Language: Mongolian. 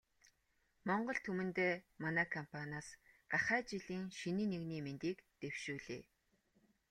Монгол түмэндээ манай компаниас гахай жилийн шинийн нэгний мэндийг дэвшүүлье.